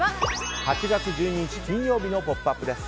８月１２日、金曜日の「ポップＵＰ！」です。